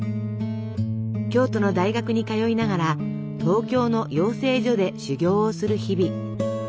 京都の大学に通いながら東京の養成所で修業をする日々。